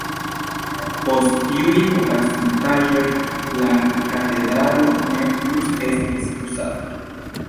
Post tiuj okazintaĵoj la katedralo ne plu estis uzata.